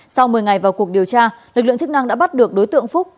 sau một mươi ngày vào cuộc điều tra lực lượng chức năng đã bắt được đối tượng phúc